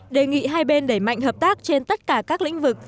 đề nghị hai bên đẩy mạnh hợp tác trên tất cả các lĩnh vực